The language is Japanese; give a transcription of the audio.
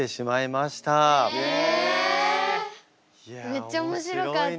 めっちゃ面白かった。